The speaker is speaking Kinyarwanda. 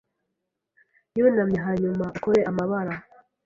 yunamye hanyuma ukore amabara.